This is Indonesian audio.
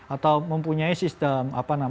atau mempunyai sistem